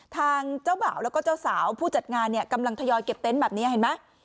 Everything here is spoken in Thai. ทางเจ้าบ่าวแล้วก็เจ้าสาวผู้จัดงานเนี่ยกำลังทยอยเก็บเต็นต์แบบนี้เห็นไหม